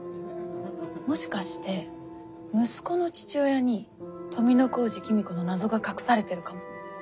もしかして息子の父親に富小路公子の謎が隠されてるかも。